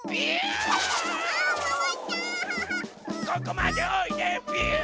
ここまでおいでびゅん！